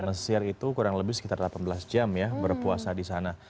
mesir itu kurang lebih sekitar delapan belas jam ya berpuasa di sana